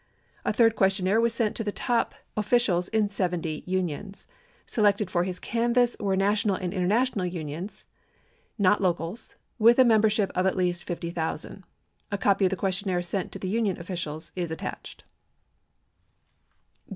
A third questionnaire was sent to the top officials in 70 unions. Selected for his canvass were national and international unions — not locals — with a membership of at least 50,000. A copy of the questionnaire sent to union officials is attached.